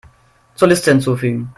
Zur Liste hinzufügen.